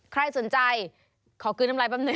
ใครสนใจขอกินน้ำลายปั้งหน่อย